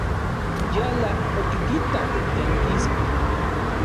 Yala otikitak tiankisko.